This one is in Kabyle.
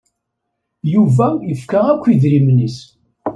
Yuba yefka akk idrimen-is.